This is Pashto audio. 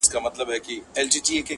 نه د ډیک غریب زړګی ورنه صبرېږي؛